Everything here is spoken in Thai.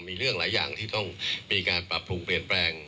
มีเรื่องหลายอย่างที่ต้องมีการปรับปรุงเปลี่ยนแปลง